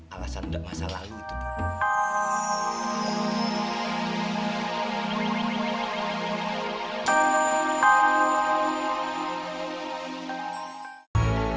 alasan udah masa lalu itu